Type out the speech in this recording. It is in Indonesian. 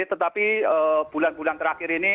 tetapi bulan bulan terakhir ini